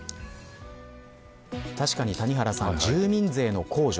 確かに谷原さん住民税の控除